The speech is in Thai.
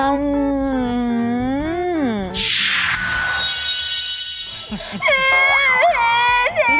อืมมมม